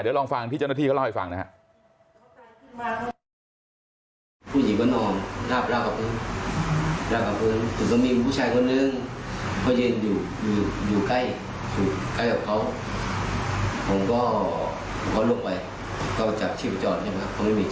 เดี๋ยวลองฟังที่เจ้าหน้าที่เขาเล่าให้ฟังนะครับ